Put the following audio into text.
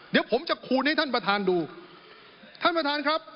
เดี๋ยวผมจะคูณให้ท่านประธานดูท่านประธานครับ